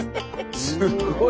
すごい。